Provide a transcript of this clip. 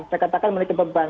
saya katakan memiliki beban